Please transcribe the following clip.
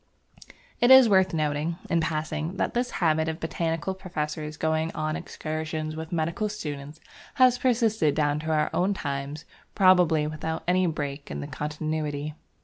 It is worth noting, in passing, that this habit of botanical professors going on excursions with medical students has persisted down to our own times, probably without any break in the continuity.